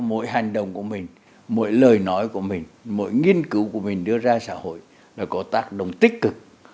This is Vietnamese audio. làm cho mỗi hành động của mình mỗi lời nói của mình mỗi nghiên cứu của mình đưa ra xã hội là có tác động tích cực